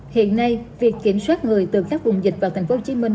hiện nay việc kiểm soát người từ khắp vùng dịch vào thành phố hồ chí minh